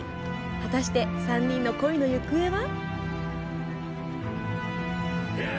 果たして、３人の恋の行方は？